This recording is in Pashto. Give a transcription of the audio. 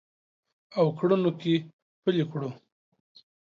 او کړنو کې پلي کړو